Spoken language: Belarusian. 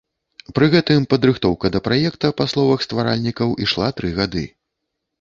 Пры гэтым падрыхтоўка да праекта па словах стваральнікаў ішла тры гады.